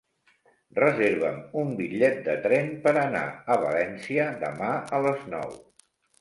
Reserva'm un bitllet de tren per anar a València demà a les nou.